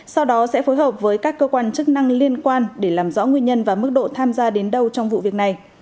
sau đó sẽ phối hợp với các cơ quan chức năng liên quan để làm rõ nguyên nhân và mức độ tham gia đến đâu trong vụ việc này